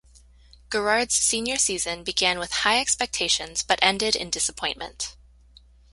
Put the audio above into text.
Garrard's senior season began with high expectations but ended in disappointment.